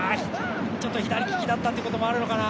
ちょっと左利きだったっていうこともあるのかな。